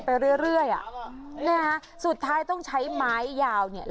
ไปเรื่อยเรื่อยอ่ะนะฮะสุดท้ายต้องใช้ไม้ยาวเนี่ย